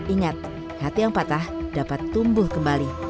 ingat hati yang patah dapat tumbuh kembali